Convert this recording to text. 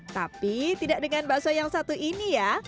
tapi tidak dengan bakso yang satu ini ya